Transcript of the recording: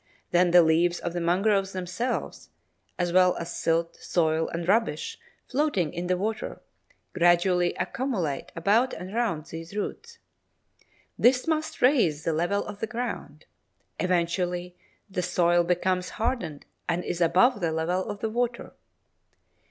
Then the leaves of the mangroves themselves, as well as silt, soil, and rubbish floating in the water, gradually accumulate about and around these roots. This must raise the level of the ground. Eventually the soil becomes hardened and is above the level of the water.